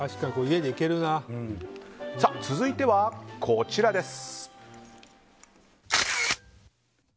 続いては、こちらです。